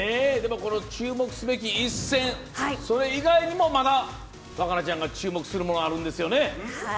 注目すべき一戦、それ以外にも若菜ちゃんが注目するものあるんですよね。